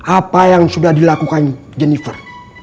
apa yang sudah dilakukan jennifer